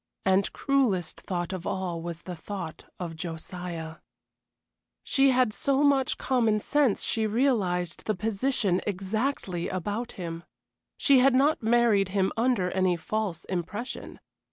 And cruellest thought of all was the thought of Josiah. She had so much common sense she realized the position exactly about him. She had not married him under any false impression.